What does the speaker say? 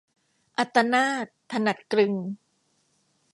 อัตตนาถ-ถนัดกลึง